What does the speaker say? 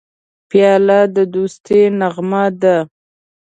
پیاله د دوستی نغمه ده.